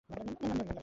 নাম, নাম।